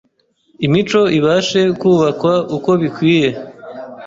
imico ibashe kubakwa uko bikwiye